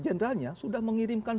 generalnya sudah mengirimkan